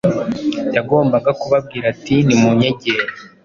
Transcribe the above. Yagombaga kubabwira ati nimunyegere